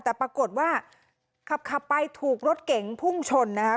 แต่ปรากฏว่าขับไปถูกรถเก๋งพุ่งชนนะคะ